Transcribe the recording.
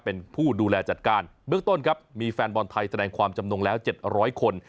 เป็นผู้ดูแลจัดการเบื้องต้นครับมีแฟนบอลไทยแสดงความจำนงแล้ว๗๐๐คน